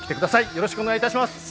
よろしくお願いします。